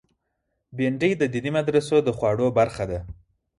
بېنډۍ د دیني مدرسو د خواړو برخه ده